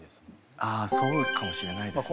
あそうかもしれないですね。